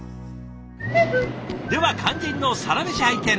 では肝心のサラメシ拝見。